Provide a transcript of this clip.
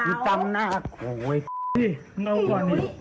พี่จำหน้ากูไอ้น้องก่อน